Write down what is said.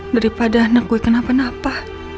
daripada anak gue kenapa napa